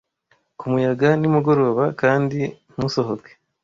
ku muyaga nimugoroba kandi ntusohoke